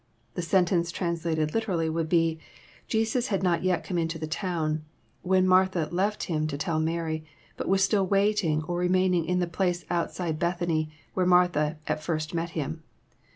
The sentence, translated literally, would be, Jesas had not yet come into the town," when Martha left Him to tell Mary, but was still waiting or re maining in the place outside Bethany, where Martha at first met Him.